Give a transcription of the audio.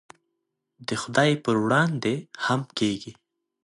د خدای په وړاندې هم کېږي.